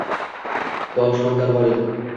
Donishmandlar bor edi.